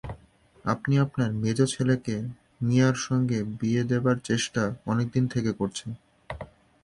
আপনি আপনার মেজো ছেলেকে মিয়ার সঙ্গে বিয়ে দেবার চেষ্টা অনেকদিন থেকে করছেন।